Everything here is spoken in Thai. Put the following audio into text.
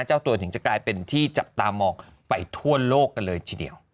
เจ้าตัวถึงจะกลายเป็นที่จับตามองไปทั่วโลกกันเลยทีเดียว